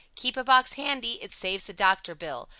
Keep a box handy, it saves the doctor bill.